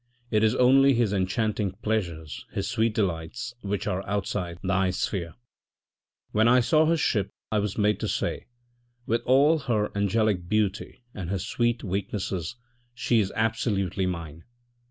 It is only his en chanting pleasures, his sweet delights, which are outside thy sphere. When I saw her sleep I was made to say " With all her angelic beauty and her sweet weaknesses she is absolutely mine